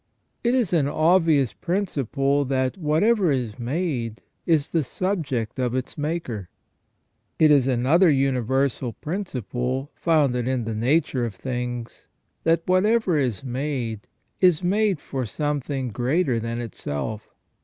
It is an obvious principle that whatever is made, is the subject of its maker. It is another universal principle, founded in the nature of things, that whatever is made, is made for something greater than itself.